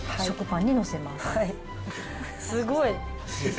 すごい。